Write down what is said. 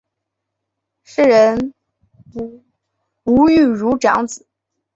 诗人吴玉如长子。